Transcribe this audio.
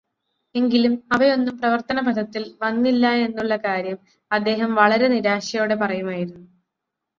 എങ്കിലും അവയൊന്നും പ്രവർത്തനപഥത്തിൽ വന്നില്ലായെന്നുള്ള കാര്യം അദ്ദേഹം വളരെ നിരാശയോടെ പറയുമായിരുന്നു.